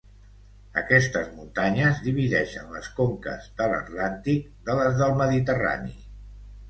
Aquestes muntanyes divideixen les conques de l'atlàntic de les del Mediterrani.